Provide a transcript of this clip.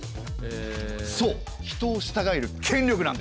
そう人を従える権力なんです。